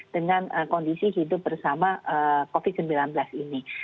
dengan kondisi hidup bersama masyarakat